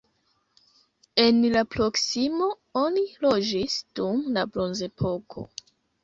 En la proksimo oni loĝis dum la bronzepoko.